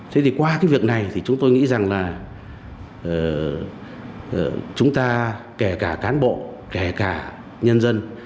thế thì qua cái việc này thì chúng tôi nghĩ rằng là chúng ta kể cả cán bộ kể cả nhân dân